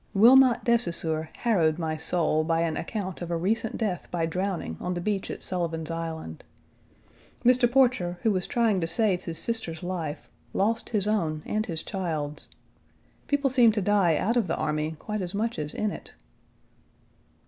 Wilmot de Saussure, harrowed my soul by an account of a recent death by drowning on the beach at Sullivan's Island. Mr. Porcher, who was trying to save his sister's life, lost his own and his child's. People seem to die out of the army quite as much as in it.